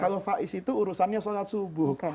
kalau faiz itu urusannya sholat subuh